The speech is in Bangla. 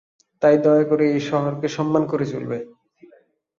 তাই দয়া করে, এই শহরকে সন্মান করে চলবে।